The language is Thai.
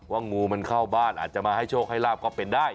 งูมันเข้าบ้านอาจจะมาให้โชคให้ลาบก็เป็นได้